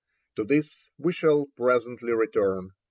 To this we shall presently return.